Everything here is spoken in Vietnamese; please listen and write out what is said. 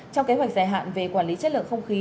trong kế hoạch dài hạn về quản lý chất lượng không khí